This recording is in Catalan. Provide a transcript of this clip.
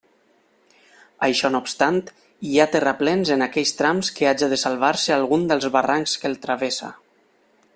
Això no obstant, hi ha terraplens en aquells trams que haja de salvar-se algun dels barrancs que el travessa.